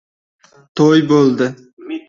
To‘y bo‘ldi.